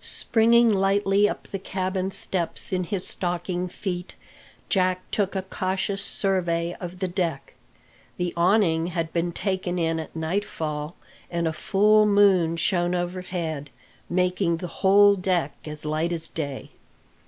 Springing lightly up the cabin steps in his stocking feet, Jack took a cautious survey of the deck. The awning had been taken in at nightfall, and a full moon shone overhead, making the whole deck as light as day.